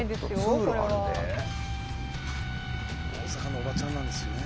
大阪のおばちゃんなんですよね。